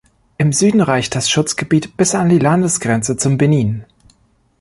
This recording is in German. Im Süden reicht das Schutzgebiet bis an die Landesgrenze zum Benin.